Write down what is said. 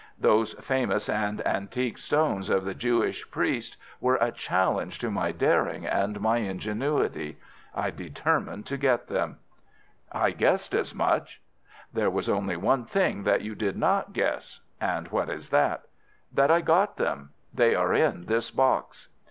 Those famous and antique stones of the Jewish priest were a challenge to my daring and my ingenuity. I determined to get them.' "'I guessed as much.' "'There was only one thing that you did not guess.' "'And what is that?' "'That I got them. They are in this box.